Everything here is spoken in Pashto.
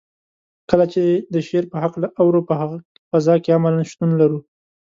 کله چې د شعر په هکله اورو په هغه فضا کې عملاً شتون لرو.